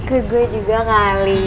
ke gue juga kali